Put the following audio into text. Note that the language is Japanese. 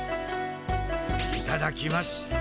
いただきます。